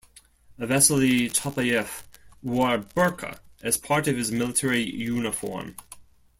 Vasily Chapayev wore a "burka" as a part of his military uniform.